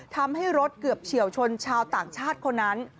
ทำให้รถเกือบเฉียวชนชาวต่างชาติคนนั้น